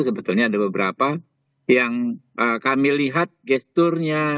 sebetulnya ada beberapa yang kami lihat gesturnya